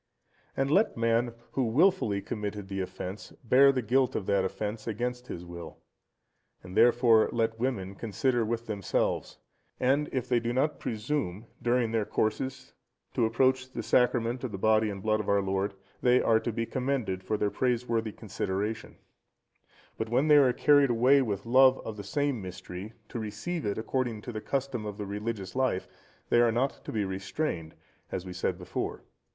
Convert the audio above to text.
And let man, who wilfully committed the offence, bear the guilt of that offence against his will. And, therefore, let women consider with themselves, and if they do not presume, during their courses, to approach the Sacrament of the Body and Blood of our Lord, they are to be commended for their praiseworthy consideration; but when they are carried away with love of the same Mystery to receive it according to the custom of the religious life, they are not to be restrained, as we said before.